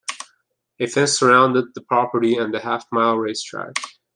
A fence surrounded the property and the half-mile racetrack.